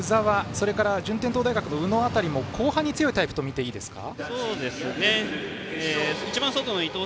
それから順天堂大学の宇野も後半に強いタイプとみていいですか？